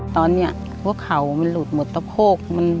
ตอนนี้หัวเข่ามันหลุดหมดตะโพก